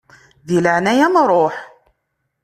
Di leɛnaya-m ṛuḥ!